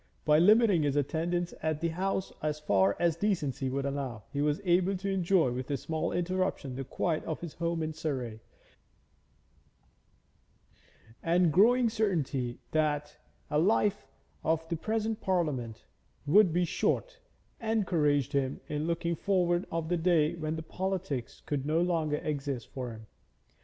By limiting his attendance at the House as far as decency would allow, he was able to enjoy with small interruption the quiet of his home in Surrey, and a growing certainty that the life of the present Parliament would be short encouraged him in looking forward to the day when politics would no longer exist for him.